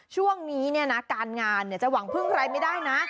ช่วงนี้การงานจะหวังพึ่งใครไม่ได้นะ